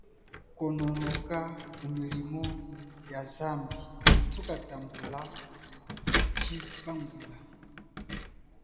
Kononoka kumilimo ya zambi mutukatambula tshipangula.